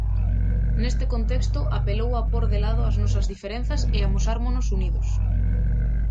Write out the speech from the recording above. Neste contexto, apelou a pór de lado as nosas diferenzas e amosármonos unidos.